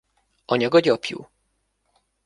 Anyaga gyapjú.